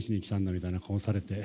みたいな顔されて。